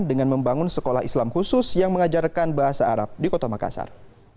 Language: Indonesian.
dengan membangun sekolah islam khusus yang mengajarkan bahasa arab di kota makassar